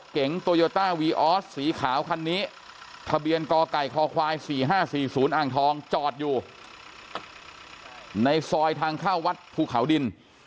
กล้องตอไก่คอไขว๔๕๔๐อ้างทองจอดอยู่ในซอยทางเข้าวัดภูเขาดิน